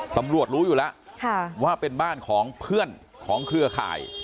รู้อยู่แล้วว่าเป็นบ้านของเพื่อนของเครือข่าย